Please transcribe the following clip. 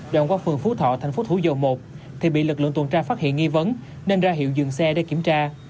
đoạn qua phường phú thọ thành phố thủ dầu một thì bị lực lượng tuần tra phát hiện nghi vấn nên ra hiệu dừng xe để kiểm tra